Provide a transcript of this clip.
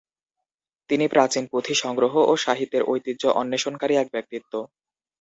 তিনি প্রাচীন পুথি সংগ্রহ ও সাহিত্যের ঐতিহ্য অন্বেষণকারী এক ব্যক্তিত্ব।